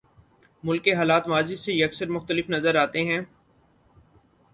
ملک کے حالات ماضی سے یکسر مختلف نظر آتے ہیں۔